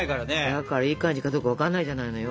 だからいい感じかどうか分かんないじゃないのよ。